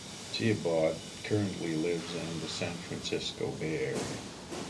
Thiebaud currently lives in the San Francisco Bay Area.